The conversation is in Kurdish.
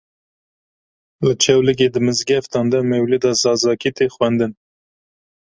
Li Çewligê di mizgeftan de mewlûda Zazakî tê xwendin.